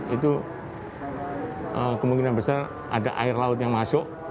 itu kemungkinan besar ada air laut yang masuk